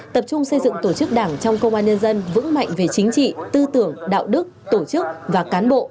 tập trung xây dựng tổ chức đảng trong công an nhân dân vững mạnh về chính trị tư tưởng đạo đức tổ chức và cán bộ